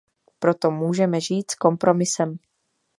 Proto můžeme žít s kompromisem.